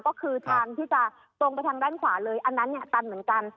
ก็คือทางที่จะตรงไปทางด้านขวาเลยอันนั้นเนี่ยตันเหมือนกัน